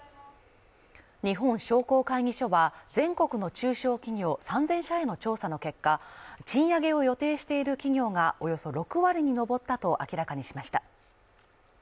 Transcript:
日本商工会議所は、全国の中小企業３０００社への調査の結果、賃上げを予定している企業がおよそ６割に上ったと明らかにしました。